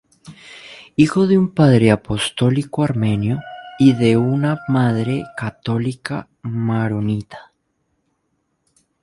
Hijo de un padre apostólico armenio y una madre católica maronita.